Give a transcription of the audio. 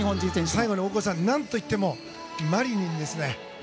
最後に大越さん何といってもマリニンですよ。